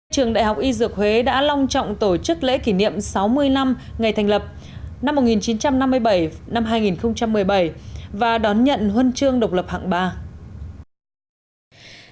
trường đại học y dược huế đã long trọng tổ chức lễ kỷ niệm sáu mươi năm ngày thành lập năm một nghìn chín trăm năm mươi bảy hai nghìn một mươi bảy và đón nhận huân chương độc lập hạng ba